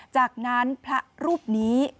จากนั้นพระรูปนี้